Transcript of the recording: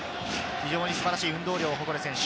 非常に素晴らしい運動量を誇る選手。